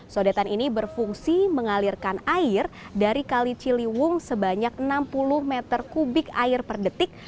sodetan ini berfungsi mengalirkan air dari kali ciliwung sebanyak enam puluh meter kubik air per detik